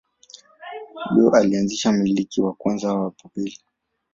Hivyo alianzisha milki ya kwanza ya Babeli.